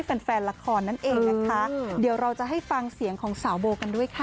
แฟนแฟนละครนั่นเองนะคะเดี๋ยวเราจะให้ฟังเสียงของสาวโบกันด้วยค่ะ